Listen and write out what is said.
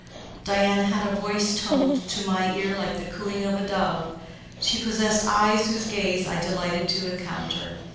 Diana had a voice toned, to my ear, like the cooing of a dove. She possessed eyes whose gaze I delighted to encounter.